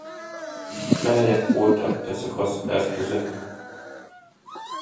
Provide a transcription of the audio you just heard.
Melyek voltak ezek az eszközök?